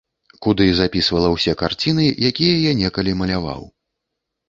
Куды запісвала ўсе карціны, якія я некалі маляваў.